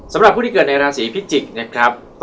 สำหรับผู้ที่เกิดในราศีภิจิกษ์